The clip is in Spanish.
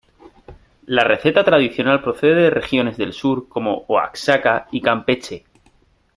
La receta tradicional procede de regiones del sur como Oaxaca y Campeche.